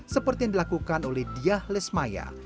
seperti yang dilakukan oleh diah lesmaya